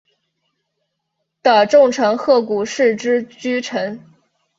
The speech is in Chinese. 的重臣鹤谷氏之居城。